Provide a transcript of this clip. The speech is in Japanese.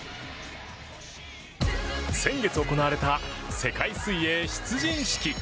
先月行われた世界水泳出陣式。